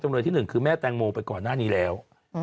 เลยที่๑คือแม่แตงโมไปก่อนหน้านี้แล้ว